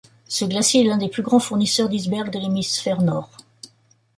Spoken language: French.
Ce glacier est un des plus grands fournisseurs d'iceberg de l'hémisphère nord.